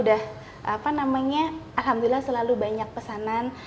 alhamdulillah selalu banyak pesanan